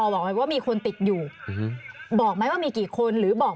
สามารถรู้ได้เลยเหรอคะ